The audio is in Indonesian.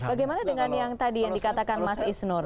bagaimana dengan yang tadi yang dikatakan mas isnur